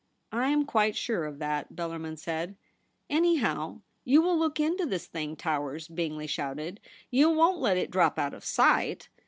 ' I am quite sure of that,' Bellarmin said. * Anyhow, you will look into this thing, Towers,' Bingley shouted ;' you won't let it drop out of sight.